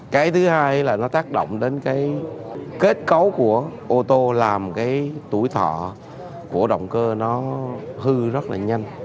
cái thứ hai là nó tác động đến cái kết cấu của ô tô làm cái tuổi thọ của động cơ nó hư rất là nhanh